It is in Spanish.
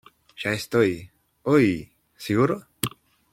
ya estoy. ¡ uy! ¿ seguro?